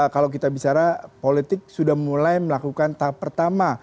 kalau kita bicara politik sudah mulai melakukan tahap pertama